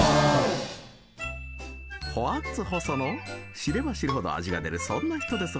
知れば知るほど味が出るそんな人です